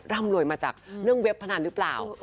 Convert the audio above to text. ร่ำรวยมาจากเรื่องเว็บพนันหรือเปล่า